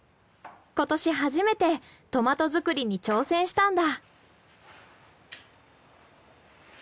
今年初めてトマト作りに挑戦したんだ。